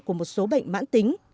của một số bệnh mãn tính